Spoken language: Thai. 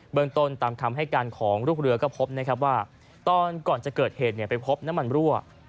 เบื้องต้นตามคำของลูกเรือก็พบว่าก่อนจะเกิดเหตุไปพบน้ำมันรั่ว